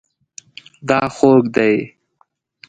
دا خوږ دی